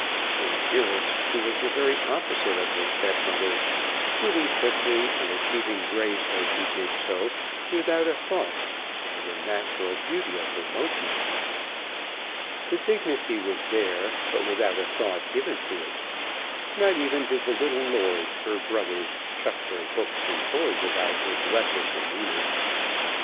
In appearance she was the very opposite of her stepmother, moving quickly and achieving grace as she did so, without a thought, by the natural beauty of her motions. The dignity was there, but without a thought given to it. Not even did the little lords, her brothers, chuck their books and toys about with less idea of demeanour.